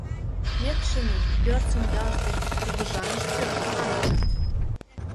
Векшинын пӧртшым ялыште «кугыжаныш пӧрт» маныныт.